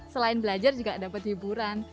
selain belajar juga dapat hiburan